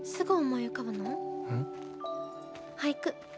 俳句。